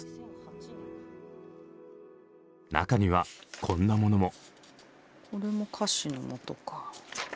中にはこんなものも。